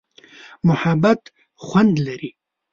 محبت خوند لري.